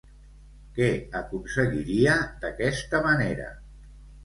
Què aconseguiria, d'aquesta manera?